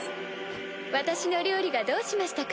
私の料理がどうしましたか？